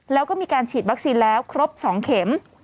แล้วก็มีการฉีดวัคซีนแล้วครบ๒เข็ม